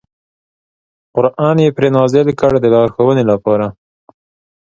قران یې پرې نازل کړ د لارښوونې لپاره.